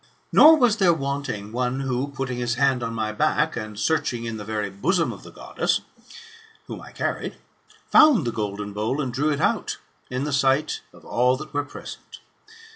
Nor was there wanting one who, putting his hand on my back, and searching in the very bosom of the Goddess, whom I carried, found the golden bowl, and drew it out, in the sight of all that were present.